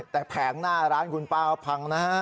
แต่แผงหน้าร้านคุณป้าพังนะฮะ